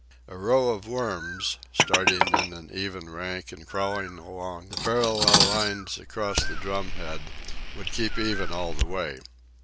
A row of worms, starting in an even rank and crawling along the parallel lines across the drumhead, would keep even all the way.